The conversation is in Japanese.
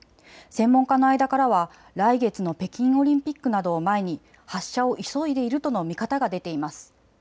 専門家の間からは来月の北京オリンピックなどを前に発射を急いでいるとの見方が出ています。